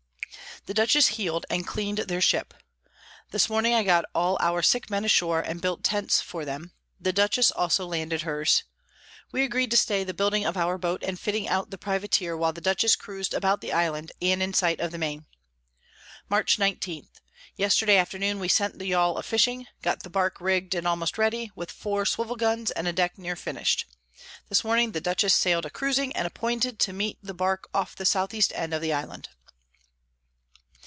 The Dutchess heel'd, and clean'd their Ship. This Morning I got all our sick Men ashore, and built Tents for them: the Dutchess also landed hers. We agreed to stay the building of our Boat and fitting out the Privateer, while the Dutchess cruis'd about the Island, and in sight of the Main. Mar. 19. Yesterday afternoon we sent the Yall a fishing, got the Bark rigg'd, and almost ready, with four Swivel Guns and a Deck near finish'd. This Morning the Dutchess sail'd a cruising, and appointed to meet the Bark off the South East End of the Island.